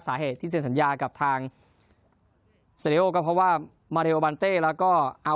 สาเหตุที่เซ็นสัญญากับทางก็เพราะว่าแล้วก็